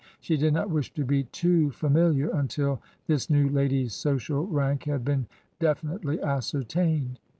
She did not wish to be too familiar until this new lady's social rank had been definitely ascertained.